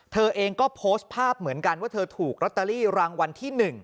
เธอเองก็โพสต์ภาพเหมือนกันว่าเธอถูกลอตเตอรี่รางวัลที่๑